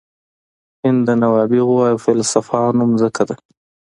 هند د نوابغو او فیلسوفانو مځکه ده.